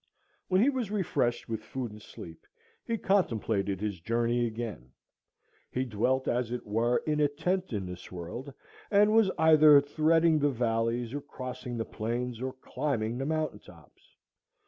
When he was refreshed with food and sleep he contemplated his journey again. He dwelt, as it were, in a tent in this world, and was either threading the valleys, or crossing the plains, or climbing the mountain tops.